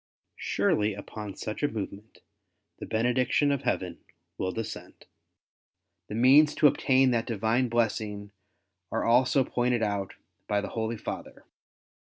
Surely upon such a movement the bene diction of Heaven will descend. The means to obtain that divine blessing are also pointed out by the Holy Father.